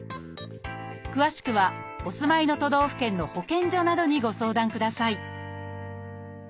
詳しくはお住まいの都道府県の保健所などにご相談ください